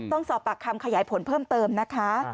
ต้องสอบปากคำขยายผลเพิ่มเติมนะคะ